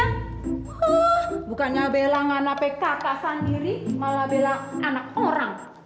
huh bukannya bela ga nape kakak sendiri malah bela anak orang